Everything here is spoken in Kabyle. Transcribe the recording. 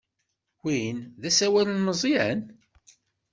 Win d asawal n Meẓyan?